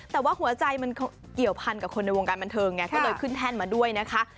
แต่ว่าหัวใจมันเกี่ยวพันกับคนในวงการบันเทิงไงก็เลยขึ้นแท่นมาด้วยนะคะ